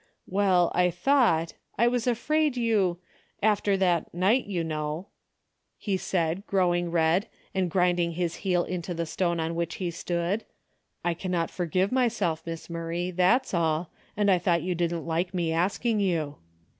"Well, I thought, — I was afraid you— after that night— you know—" he said, growing red 268 DAILY BATE.''> and grinding liis heel into the stone on which he stood, " I can't forgive myself, Miss Mur ray, that's all, and I thought you didn't like me asking you."